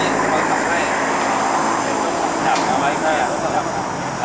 เติมสมัยสองร้อยแล้วเสร็จแล้วก็บอกราศการประสบความสุขในการเสริมพวกมัน